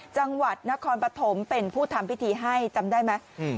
จังหวัดนครปฐมเป็นผู้ทำพิธีให้จำได้ไหม